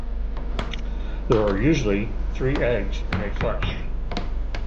There are usually three eggs in a clutch.